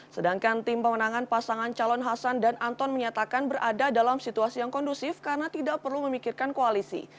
sedangkan tim pemenangan pasangan calon hasan dan anton menyatakan berada dalam situasi yang kondusif karena tidak perlu memikirkan koalisi